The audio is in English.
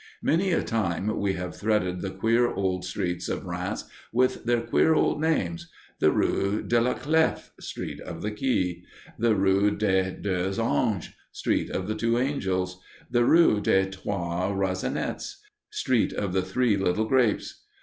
Many a time we have threaded the queer old streets of Rheims with their queer old names the rue de la Clef [Street of the Key], the rue des Deux Anges [Street of the Two Angels], the rue des Trois Raisinets [Street of the Three Little Grapes].